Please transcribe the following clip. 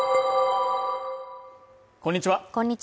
こんにちは。